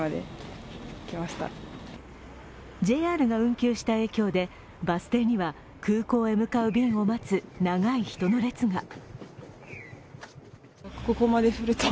ＪＲが運休した影響で、バス停には空港へ向かう便を待つ長い人の列が。